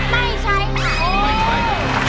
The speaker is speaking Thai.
ไม่ใช่ไม่ใช่